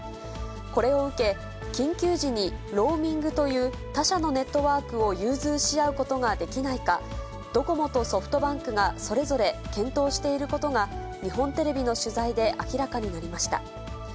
これを受け、緊急時にローミングという、他社のネットワークを融通し合うことができないか、ドコモとソフトバンクがそれぞれ検討していることが、日本テレビの取材で明らかになりました。